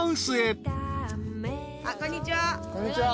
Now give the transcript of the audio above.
こんにちは。